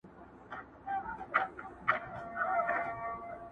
کي ځانګړی ليکوال دی.